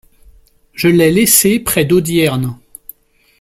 Je l'ai laissée près d'Audierne.